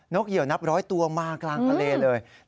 นกเหยียวนับร้อยตัวมากกลางประเทศเลย